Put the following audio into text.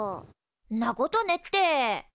んなことねって。